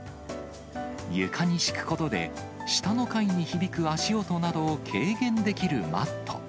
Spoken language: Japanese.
床に敷くことで、下の階に響く足音などを軽減できるマット。